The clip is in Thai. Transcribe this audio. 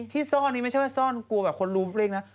ที่ซ่อนนี้ไม่ใช่ว่าซ่อนกลัวแบบคนรู้เลขนะ